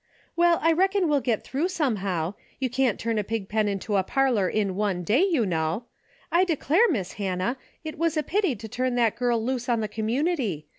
"Well, I reckon we'll get through somehow. You can't turn a pigpen into a parlor in one day, you know. I declare. Miss Hannah, it Avas a pity to turn that girl loose on the community.